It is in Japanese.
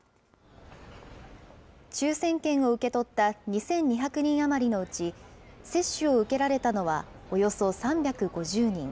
抽せん券を受け取った２２００人余りのうち、接種を受けられたのはおよそ３５０人。